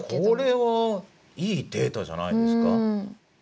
これはいいデータじゃないですか。